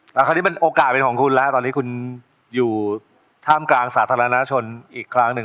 แล้วคราวนี้มันโอกาสเป็นของคุณแล้วตอนนี้คุณอยู่ท่ามกลางสาธารณชนอีกครั้งหนึ่ง